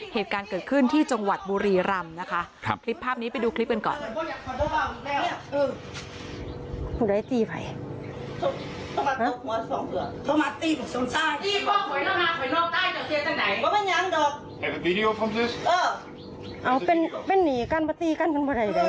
เหตุการณ์เกิดขึ้นที่จังหวัดบุรีรำนะคะคลิปภาพนี้ไปดูคลิปกันก่อน